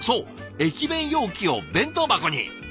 駅弁容器を弁当箱に。